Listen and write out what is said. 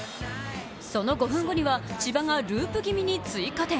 その５分後には千葉がループ気味に追加点。